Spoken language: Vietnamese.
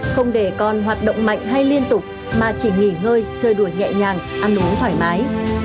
không để con hoạt động mạnh hay liên tục mà chỉ nghỉ ngơi chơi đuổi nhẹ nhàng ăn uống thoải mái